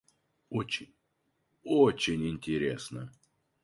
Очень, очень интересно!